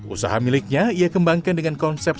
usaha miliknya ia kembangkan dengan konsep